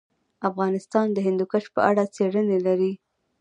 افغانستان د هندوکش په اړه څېړنې لري.